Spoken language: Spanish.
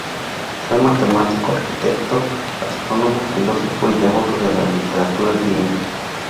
Fue matemático, arquitecto, astrónomo, filósofo y devoto de la literatura griega.